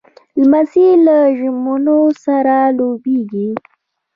لمسی له ژمنو سره لویېږي.